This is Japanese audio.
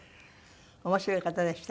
面白い方でしたね。